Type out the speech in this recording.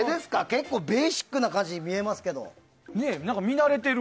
結構ベーシックな感じに見慣れてるけど。